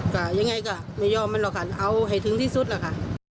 ก็ยังไงก็ไม่ยอมมันหรอกค่ะเอาให้ถึงที่สุดล่ะค่ะ